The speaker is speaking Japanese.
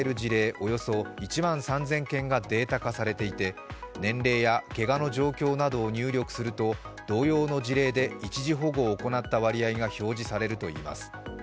およそ１万３０００件がデータ化されていて、年齢やけがの状況などを入力すると入力すると同様の事例で一時保護を行った割合が表示されるといいます。